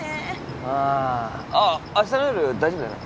あっあしたの夜大丈夫だよね。